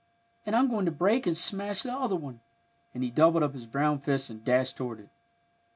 "And I'm going to break and smash the other one," and he doubled up his brown fist and dashed toward it.